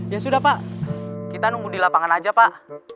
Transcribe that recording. ya sudah pak kita nunggu di lapangan aja pak